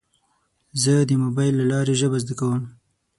زه د موبایل له لارې ژبه زده کوم.